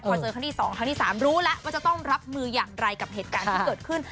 พอเจอครั้งที่๒ครั้งที่๓รู้แล้วว่าจะต้องรับมืออย่างไรกับเหตุการณ์ที่เกิดขึ้น